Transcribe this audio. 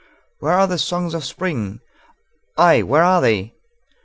Where are the songs of Spring? Ay, where are they?